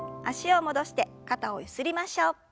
脚を戻して肩をゆすりましょう。